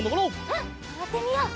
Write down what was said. うんのぼってみよう。